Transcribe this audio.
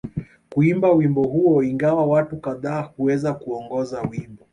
Kuimba wimbo huo ingawa watu kadhaa huweza kuongoza wimbo